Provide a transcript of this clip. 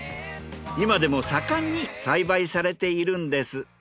今でも盛んに栽培されているんです。